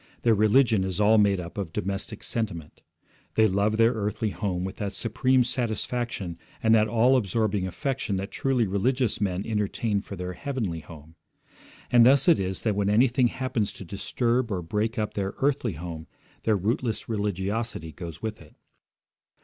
Their religion is all made up of domestic sentiment. They love their earthly home with that supreme satisfaction and that all absorbing affection that truly religious men entertain for their heavenly home. And thus it is that when anything happens to disturb or break up their earthly home their rootless religiosity goes with it.